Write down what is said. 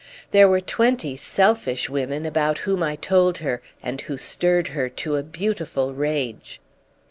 There were twenty selfish women about whom I told her and who stirred her to a beautiful rage.